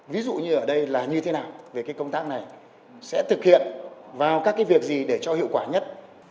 ví dụ như ở đây là như thế nào về cái công tác này sẽ thực hiện vào các việc gì để cho hiệu quả nhất